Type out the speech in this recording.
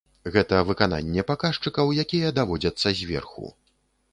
Гэта выкананне паказчыкаў, якія даводзяцца зверху.